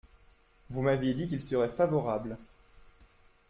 Vous m’aviez dit qu’il serait favorable.